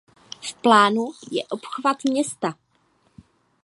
V plánu je obchvat města.